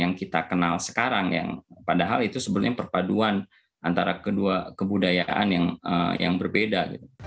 yang kita kenal sekarang padahal itu sebenarnya perpaduan antara kedua kebudayaan yang berbeda